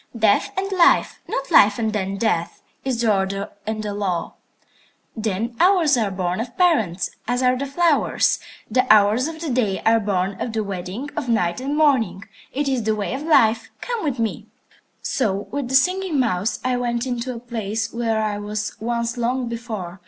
Death and life, not life and then death, is the order and the law. "The hours are born of parents, as are the flowers. The hours of the day are born of the wedding of Night and Morning. It is the way of Life. Come with me." So with the Singing Mouse I went into a place where I was once long before.